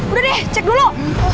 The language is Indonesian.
udah deh cek dulu